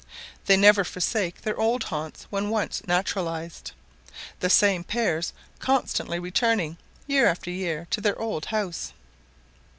They never forsake their old haunts when once naturalized, the same pairs constantly returning year after year, to their old house.